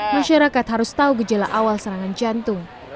masyarakat harus tahu gejala awal serangan jantung